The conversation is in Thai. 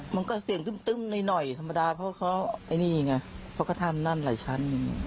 มันก็เสียงตึ้มหน่อยธรรมดาเพราะเขาไอ้นี่ไงเพราะเขาทำนั่นหลายชั้น